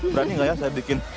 berani nggak ya saya bikin